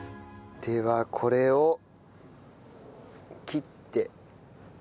ではこれを切って。